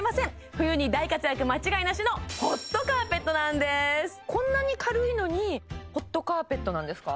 冬に大活躍間違いなしのこんなに軽いのにホットカーペットなんですか？